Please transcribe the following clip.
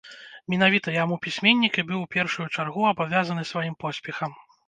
Менавіта яму пісьменнік і быў у першую чаргу абавязаны сваім поспехам.